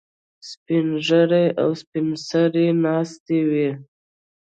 سپین ږیري او سپین سرې ناستې وي.